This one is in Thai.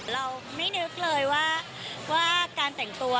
เราไม่นึกเลยว่าการแต่งตัว